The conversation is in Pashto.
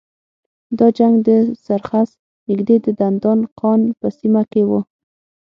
دا جنګ د سرخس نږدې د دندان قان په سیمه کې و.